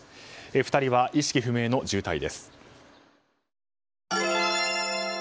２人は意識不明の重体です。